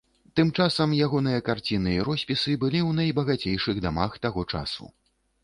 Тым часам, ягоныя карціны і роспісы былі ў найбагацейшых дамах таго часу.